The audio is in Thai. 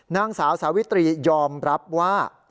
นางสาวสาวิตรียอมรับว่า